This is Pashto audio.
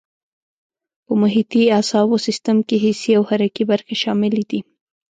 په محیطي اعصابو سیستم کې حسي او حرکي برخې شاملې دي.